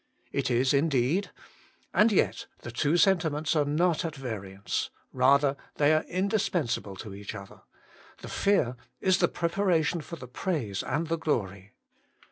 It is indeed : and yet the two sentiments are not at variance : rather they are indispensable to each other ; the fear is the preparation for the praise and the glory.